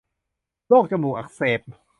โรคจมูกอักเสบ